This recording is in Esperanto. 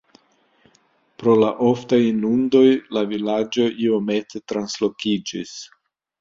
Pro la oftaj inundoj la vilaĝo iomete translokiĝis.